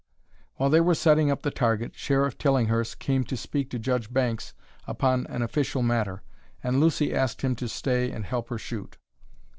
While they were setting up the target Sheriff Tillinghurst came to speak to Judge Banks upon an official matter; and Lucy asked him to stay and help her shoot.